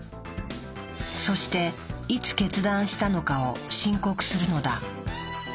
そしていつ決断したのかを申告するのだ。